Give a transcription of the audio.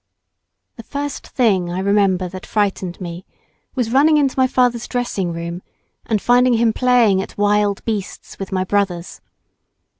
The first thing I remember that frightened me was running into my father's dressing room and finding him playing at wild beasts with my brothers.